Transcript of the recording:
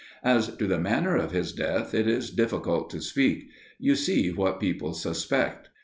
As to the manner of his death it is difficult to speak; you see what people suspect.